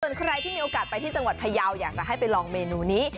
ส่วนใครที่มีโอกาสไปที่จังหวัดพยาวอยากจะให้ไปลองเมนูนี้